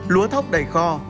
lúa thóc đầy kho